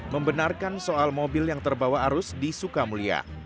membenarkan soal mobil yang terbawa arus di sukamulia